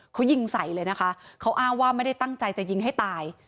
เขายิงใส่เลยนะคะเขาอ้างว่าไม่ได้ตั้งใจจะยิงให้ตาย